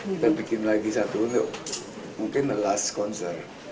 kita bikin lagi satu mungkin last concert